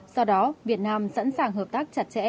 do đó việt nam sẵn sàng hợp tác chặt chẽ